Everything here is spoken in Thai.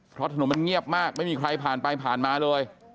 เพราะถนนมันเงียบมากไม่มีใครผ่านไปผ่านมาเลย